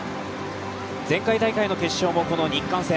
前回大会の決勝もこの日韓戦。